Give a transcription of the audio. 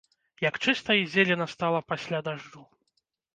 Як чыста і зелена стала пасля дажджу.